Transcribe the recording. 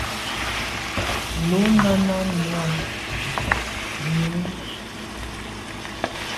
Nu Nana nu am à nu i.